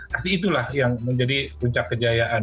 pasti itulah yang menjadi puncak kejayaan